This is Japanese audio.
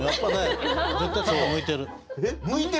絶対短歌向いてる。